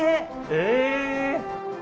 え！